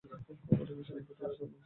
Bangladesh kabaddi federation